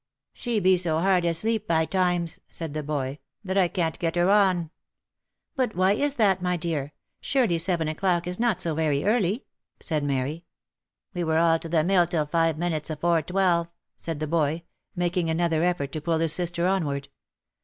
" She be so hard asleepby times, "said the boy ," that I can't get her on." " But why is that, my dear?^surely seven o'clock is not so very early !" said Mary. " We were all to the mill till five minutes afore twelve," said the boy, making another effort to pull his sister onward.